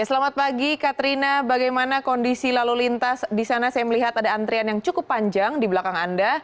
selamat pagi katrina bagaimana kondisi lalu lintas di sana saya melihat ada antrian yang cukup panjang di belakang anda